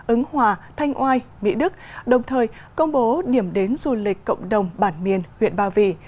ứng hòa thanh oai mỹ đức đồng thời công bố điểm đến du lịch cộng đồng bản miền huyện ba vì